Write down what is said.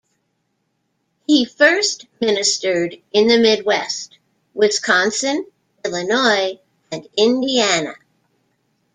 He first ministered in the Midwest: Wisconsin, Illinois and Indiana.